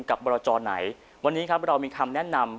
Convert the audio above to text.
บรจอไหนวันนี้ครับเรามีคำแนะนำ